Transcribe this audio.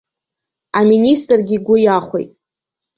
Аминистргьы игәы иахәеит.